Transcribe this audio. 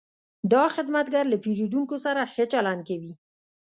دا خدمتګر له پیرودونکو سره ښه چلند کوي.